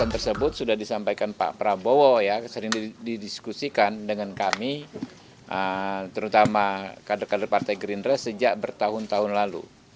terutama kader kader partai greenress sejak bertahun tahun lalu